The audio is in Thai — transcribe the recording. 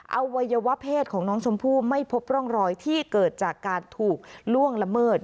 อวัยวะเพศของน้องชมพู่ไม่พบร่องรอยที่เกิดจากการถูกล่วงละเมิด